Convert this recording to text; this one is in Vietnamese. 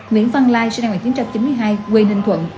nguyễn văn lai sinh năm một nghìn chín trăm chín mươi hai quê ninh thuận